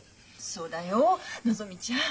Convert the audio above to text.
そうだよのぞみちゃん。